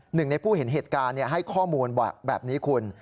หนึ่งในผู้เห็นเหตุการณ์ให้ข้อมูลแบบนี้คุณ